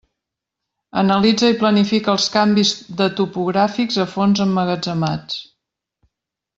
Analitza i planifica els canvis de topogràfics a fons emmagatzemats.